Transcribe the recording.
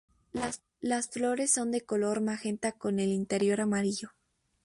Las flores son de color magenta con el interior amarillo.